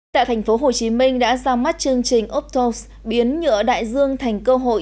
tại thành phố hồ chí minh đã ra mắt chương trình optos biến nhựa đại dương thành cơ hội